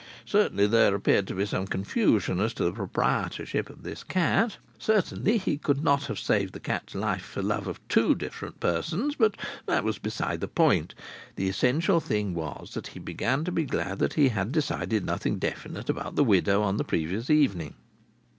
Certainly there appeared to be some confusion as to the proprietorship of this cat. Certainly he could not have saved the cat's life for love of two different persons. But that was beside the point. The essential thing was that he began to be glad that he had decided nothing definite about the widow on the previous evening.